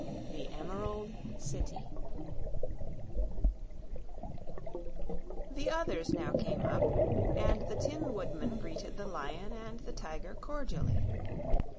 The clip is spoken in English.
18. The Emerald City The others now came up, and the Tin Woodman greeted the Lion and the Tiger cordially.